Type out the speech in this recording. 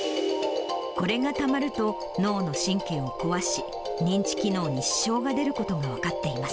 これがたまると、脳の神経を壊し、認知機能に支障が出ることが分かっています。